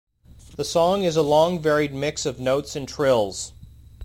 The song is a long varied mix of notes and trills.